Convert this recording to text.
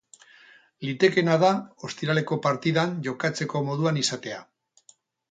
Litekeena da ostiraleko partidan jokatzeko moduan izatea.